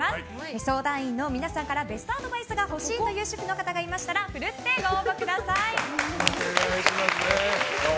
相談員の皆さんからベストアドバイスが欲しいという主婦の方がいましたらふるってご応募ください。